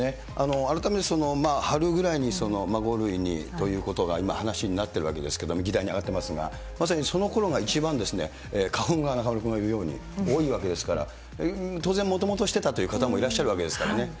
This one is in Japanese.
改めて春ぐらいに５類にということが今、話になってるわけですけれども、議題に上がってますが、まさにそのころが一番花粉が中丸君が言うように多いわけですから、当然もともとしてたという方もいらっしゃるわけですからね。